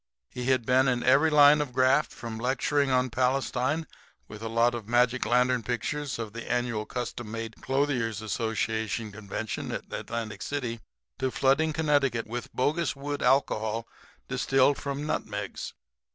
He had been in every line of graft from lecturing on Palestine with a lot of magic lantern pictures of the annual Custom made Clothiers' Association convention at Atlantic City to flooding Connecticut with bogus wood alcohol distilled from nutmegs.